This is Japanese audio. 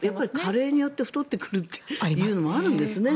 加齢によって太ってくるのもあるんですね。